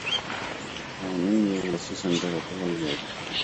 او نوم یې اولسي سندرو ته ولوېد.